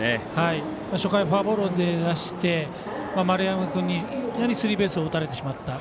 初回、フォアボールで出して丸山君に、いきなりスリーベースを打たれてしまった。